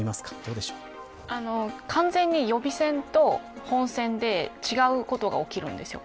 完全に予備選と本選で違うことが起きるんですよ。